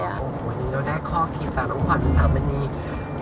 อโหนี่เราต้องได้ข้อคิดจากน้องขวัญผิดทางบรรยี